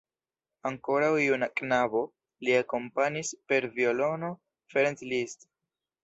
Ankoraŭ juna knabo, li akompanis per violono Ferenc Liszt.